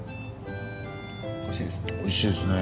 おいしいですか？